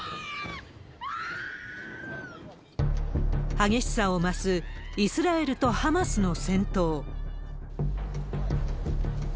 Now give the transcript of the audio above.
激しさを増すイスラエルとハマスの戦闘。